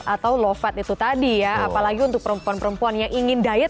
atau low fat itu tadi ya apalagi untuk perempuan perempuan yang ingin diet